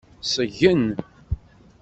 Ṣeggen.